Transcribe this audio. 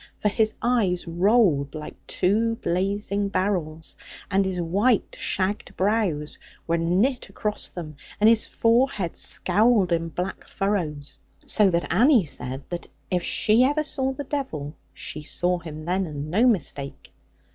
For his eyes rolled like two blazing barrels, and his white shagged brows were knit across them, and his forehead scowled in black furrows, so that Annie said that if she ever saw the devil, she saw him then, and no mistake.